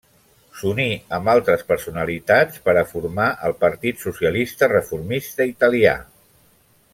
S'uní amb altres personalitats per a formar el Partit Socialista Reformista Italià.